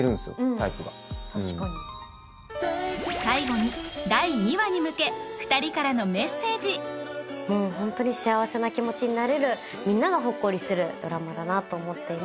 タイプがうん確かに最後に二人からホントに幸せな気持ちになれるみんながほっこりするドラマだなと思っています